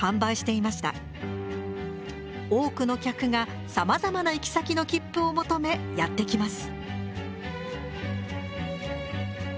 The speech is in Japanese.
多くの客がさまざまな行き先の切符を求めやって来ます。